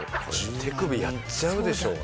手首やっちゃうでしょうね。